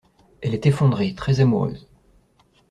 elle est effondrée, très amoureuse